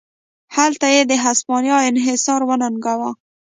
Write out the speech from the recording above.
هلته یې د هسپانیا انحصار وننګاوه.